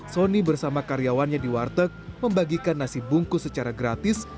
sony bersama karyawannya di warteg membagikan nasi bungkus secara gratis